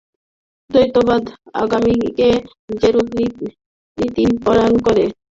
অদ্বৈতবাদ আমাদিগকে যেরূপ নীতিপরায়ণ করে, আর কিছুই সেরূপ করিতে পারে না।